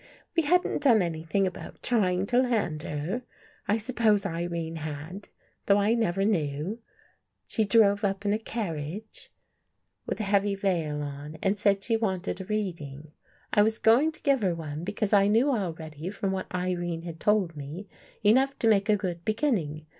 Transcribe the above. We hadn't done anything about trying to land her. I suppose Irene had, though I never knew. She drove up in a carriage, with a 131 THE GHOST GIRL heavy veil on, and said she wanted a reading. I was going to give her one, because I knew already from what Irene had told me, enough to make a good beginning.